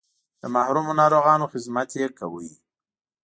د محرومو ناروغانو خدمت یې کاوه.